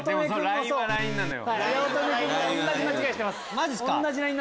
マジっすか？